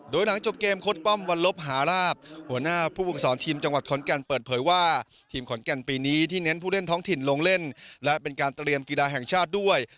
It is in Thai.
โดยหลังจบเกมโค้ดป้อมวันลบหาลาบหัวหน้าผู้ฝึกสอนทีมจังหวัดขอนแก่นเปิดเผยว่าทีมขอนแก่นปีนี้ที่เน้นผู้เล่นท้องถิ่นลงเล่นและเป็นการเตรียมกีฬาแห่งชาติด้วย